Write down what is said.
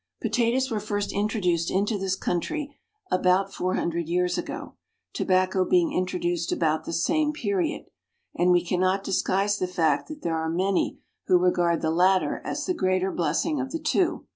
Potatoes were first introduced into this country about 400 years ago, tobacco being introduced about the same period, and we cannot disguise the fact that there are many who regard the latter as the greater blessing of the two.